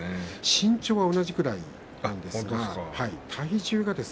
身長は同じくらいなんですね、この２人。